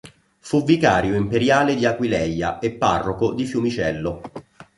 Fu vicario imperiale di Aquileia e parroco di Fiumicello.